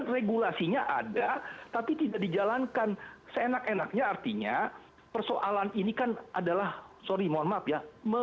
regulasinya ada tapi tidak dijalankan seenak enaknya artinya persoalan ini kan adalah sorry mohon maaf ya